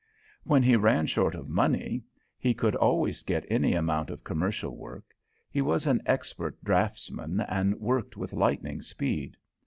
When he ran short of money, he could always get any amount of commercial work; he was an expert draughtsman and worked with lightning speed.